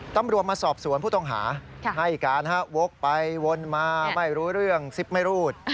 ตำรวจมาสอบสวนผู้ต้องหาให้การวกไปวนมาไม่รู้เรื่องซิปไม่รูด